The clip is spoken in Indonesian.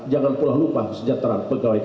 jangan lupa sejahteraan pegawai kpk